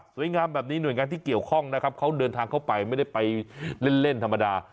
งามแบบนี้หน่วยงานที่เกี่ยวข้องนะครับเขาเดินทางเข้าไปไม่ได้ไปเล่นเล่นธรรมดา